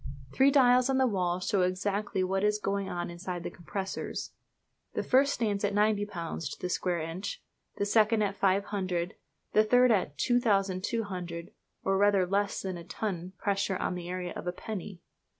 Three dials on the wall show exactly what is going on inside the compressors. The first stands at 90 lbs. to the square inch, the second at 500, and the third at 2200, or rather less than a ton pressure on the area of a penny!